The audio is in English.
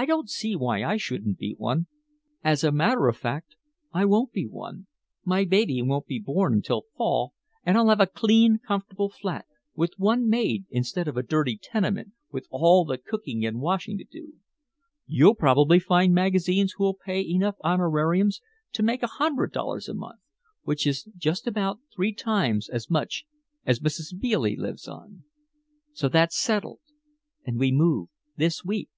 I don't see why I shouldn't be one. As a matter of fact I won't be one, my baby won't be born until Fall, and I'll have a clean, comfortable flat with one maid instead of a dirty tenement with all the cooking and washing to do. You'll probably find magazines who'll pay enough honorariums to make a hundred dollars a month, which is just about three times as much as Mrs. Bealey lives on. So that's settled and we move this week."